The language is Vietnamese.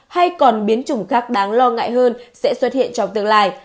hay còn biến chủng khác đáng lo ngại hơn sẽ xuất hiện trong tương lai